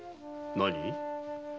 何？